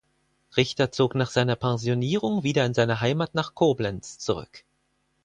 Richter zog nach seiner Pensionierung wieder in seine Heimat nach Koblenz zurück.